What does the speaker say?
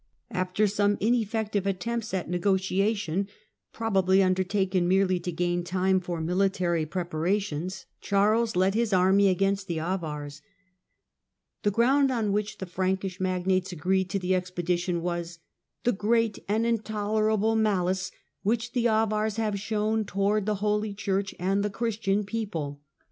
After some ineffective attempts at negotiation, prob ably undertaken merely to gain time for military pre 166 THE DAWN OF MEDIAEVAL EUROPE parations, Charles led his army against the Avars. The ground on which the Frankish magnates agreed to the expedition was " the great and intolerable malice which the Avars had shown towards the Holy Church and the 791 Christian people".